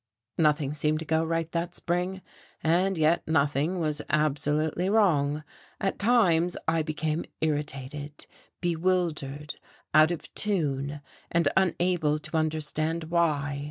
Nothing seemed to go right that spring, and yet nothing was absolutely wrong. At times I became irritated, bewildered, out of tune, and unable to understand why.